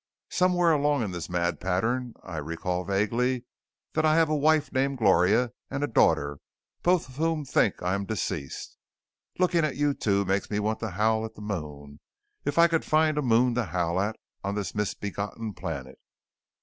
"Somewhere along in this mad pattern I recall vaguely that I have a wife named Gloria and a daughter, both of whom think I am deceased. Looking at you two makes me want to howl at the moon if I could find a moon to howl at on this misbegotten planet.